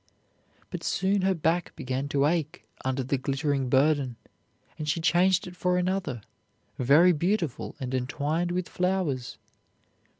But soon her back began to ache under the glittering burden, and she changed it for another, very beautiful and entwined with flowers.